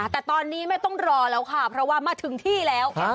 แต่ตอนนี้ไม่ต้องรอแล้วค่ะเพราะว่ามาถึงที่แล้ว